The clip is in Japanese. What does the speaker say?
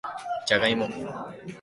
じゃがいも